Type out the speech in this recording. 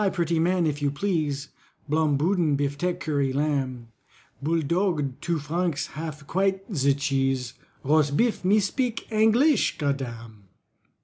pretty man, if you please, Blom boodin, biftek, currie lamb, Bouldogue, two franc half, quite ze cheese, Rosbif, me spik Angleesh, godam."